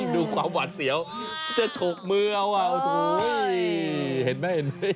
ดูความหวานเสียวเจชกมือเอาฮู้ยเห็นไหม